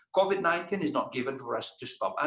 covid sembilan belas tidak diberikan untuk menghentikan kita